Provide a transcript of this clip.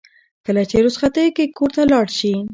کله چې رخصتیو کې کور ته لاړ شي.